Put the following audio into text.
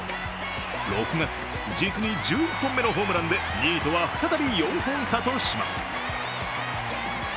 ６月、実に１１本目のホームランで２位とは再び４本差とします。